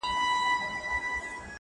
• او یوازي شرنګ او سُر لري -